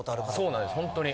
そうなんですほんとに。